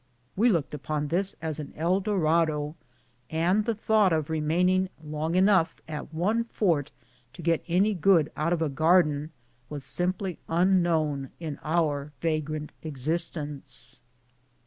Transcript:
We looked upon all this as an El Dorado, and the thought of remaining long enough at one fort to get any good out of a garden was simply unknown in our vagrant existence.